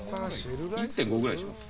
１．５合くらいにします。